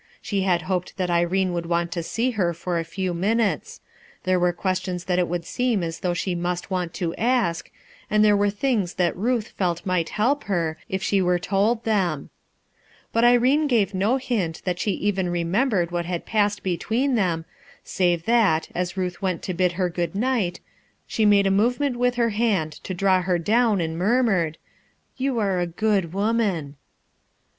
She had hoped that Irene would want to see her for a few minutes; there were questions that it would seem as though she must want to ask, and there were things that Ruth felt might help her, if she were told them. « SOMETHING HAD HAPPENED" 361 But Irene gave no hint that she even remem bered what had passed between them, save that as Ruth went to bid her good night, she made a movement with her hand to draw her down and murmured :—" You arc a good woman."